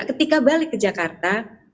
ketika balik ke jakarta